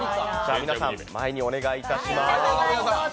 皆さん、前にお願いいたします。